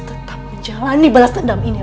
kamu harus tetap menjalani pembalasan dendam ini raju